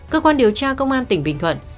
cơ quan điều tra công an tỉnh bình thuận